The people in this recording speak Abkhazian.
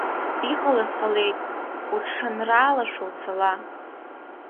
Иҟалаз ҟалеит, уҽанраалашәа уцала.